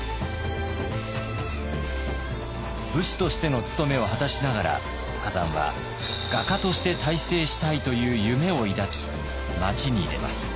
武士としての務めを果たしながら崋山は画家として大成したいという夢を抱き町に出ます。